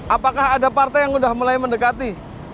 apakah ada partai yang sudah mulai mendekati